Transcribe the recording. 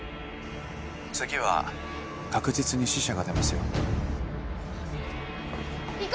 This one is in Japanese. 次は確実に死者が出ますよ・行こう